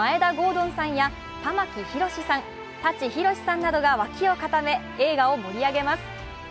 敦さんや玉木宏さん、舘ひろしさんなどが脇を固め映画を盛り上げます。